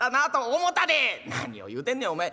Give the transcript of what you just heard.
「何を言うてんねんお前。